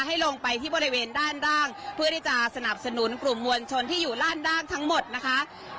ให้ลงไปที่บริเวณด้านล่างเพื่อที่จะสนับสนุนกลุ่มมวลชนที่อยู่ด้านล่างทั้งหมดนะคะ